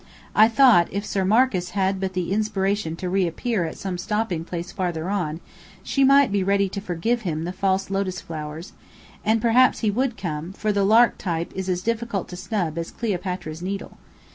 I thought, if Sir Marcus had but the inspiration to reappear at some stopping place farther on, she might be ready to forgive him the false lotus flowers: and perhaps he would come, for the Lark type is as difficult to snub as Cleopatra's Needle.